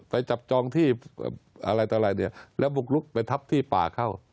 ไปจับจองที่อะไรตลาดนี้และบุกลุกไปทับที่ป่าเข้า